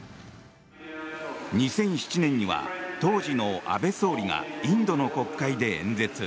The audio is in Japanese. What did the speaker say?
２００７年には当時の安倍総理がインドの国会で演説。